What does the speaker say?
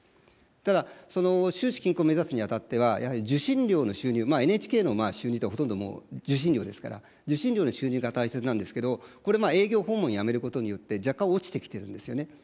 ただ、その収支均衡を目指すにあたっては、やはり受信料の収入、ＮＨＫの収入というのはほとんどもう受信料ですから、受信料の収入が大切なんですけど、これ、営業訪問をやめることによって若干落ちてきてるんですよね。